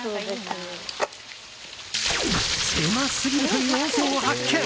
狭すぎるという温泉を発見。